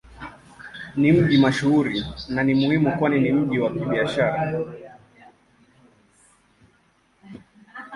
Ni mji mashuhuri na ni muhimu kwani ni mji wa Kibiashara.